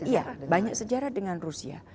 iya banyak sejarah dengan rusia